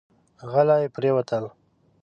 غلي پرېوتل.